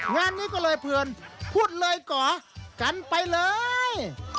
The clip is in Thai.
งานนี้ก็เลยเผื่อนพูดเลยก่อกันไปเลย